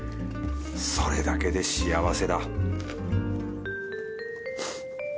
それだけで幸せだ